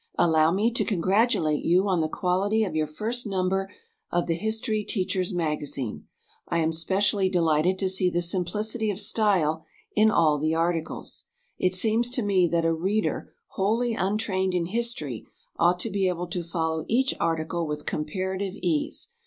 "Allow me to congratulate you on the quality of your first number of THE HISTORY TEACHER'S MAGAZINE.... I am specially delighted to see the simplicity of style in all the articles. It seems to me that a reader wholly untrained in history ought to be able to follow each article with comparative ease.